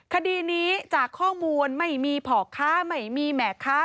คดีนี้จากข้อมูลไม่มีพ่อค้าไม่มีแหม่ค้า